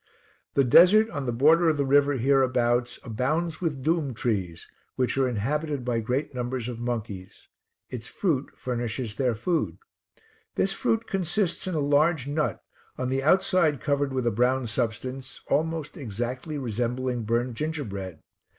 The desert, on the border of the river hereabouts, abounds with doum trees, which are inhabited by great numbers of monkeys. Its fruit furnishes their food. This fruit consists in a large nut, on the outside covered with a brown substance almost exactly resembling burned gingerbread.